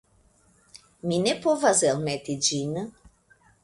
Mi ne povas elmeti ĝin.